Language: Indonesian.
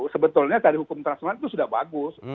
sebetulnya tadi hukum trans menan itu sudah bagus